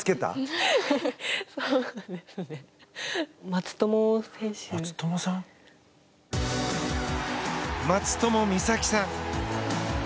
松友美佐紀さん。